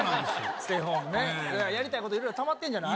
ステイホームね、やりたいこといろいろたまってるんじゃない？